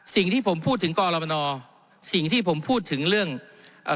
สิ่งที่ผมพูดถึงกรมนสิ่งที่ผมพูดถึงเรื่องเอ่อ